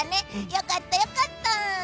良かった、良かった！